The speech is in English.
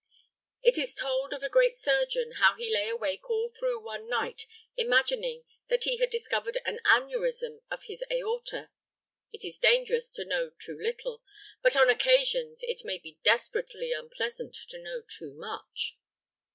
It is told of a great surgeon how he lay awake all through one night imagining that he had discovered an aneurism of his aorta. It is dangerous to know too little, but on occasions it may be desperately unpleasant to know too much.